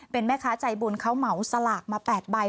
เป็นแม่ค้าใจบุญเขาเหมาสลากมา๘ใบ